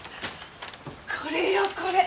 これよこれ。